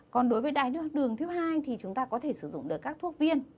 còn đối với đáy đường thứ hai thì chúng ta có thể sử dụng được các thuốc viên